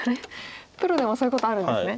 プロでもそういうことあるんですね。